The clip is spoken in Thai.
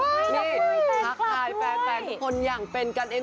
นี่ทักทายแฟนทุกคนอย่างเป็นกันเอง